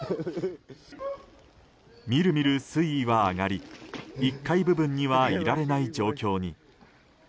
みるみる水位は上がり１階部分にはいられない状況に。